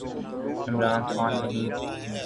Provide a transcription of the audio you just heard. عمران خان نہیں۔